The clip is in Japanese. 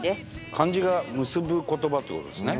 漢字が結ぶ言葉ということですね